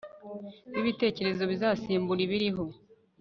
w'ibitekerezo bizasimbura ibiriho